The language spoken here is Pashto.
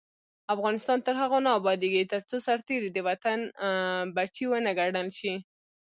افغانستان تر هغو نه ابادیږي، ترڅو سرتیری د وطن بچی ونه ګڼل شي.